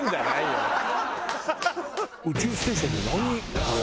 宇宙ステーションで何を？